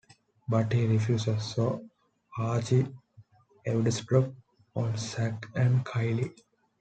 But he refuses...so Archie eavesdrops on Zack and Kylie.